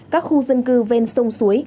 các khu dân cư ven sông suối